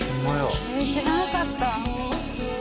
知らなかった」